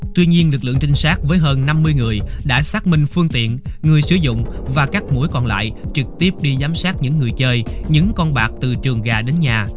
tuy nhiên lực lượng trinh sát với hơn năm mươi người đã xác minh phương tiện người sử dụng và các mũi còn lại trực tiếp đi giám sát những người chơi những con bạc từ trường gà đến nhà